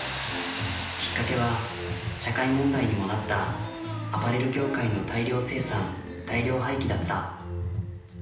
きっかけは社会問題にもなったアパレル業界の大量生産大量廃棄だった。